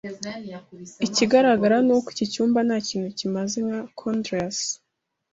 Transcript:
Ikigaragara ni uko iki cyumba nta kintu kimeze nka konderasi.